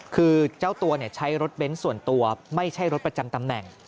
คือเจ้าตัวใช้รถเบนท์ส่วนตัวไม่ใช่รถประจำตำแหน่ง